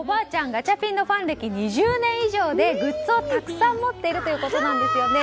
ガチャピンのファン歴２０年以上でグッズをたくさん持っているということなんですよね。